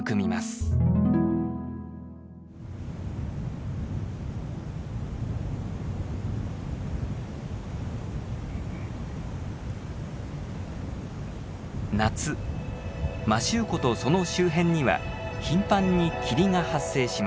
夏摩周湖とその周辺には頻繁に霧が発生します。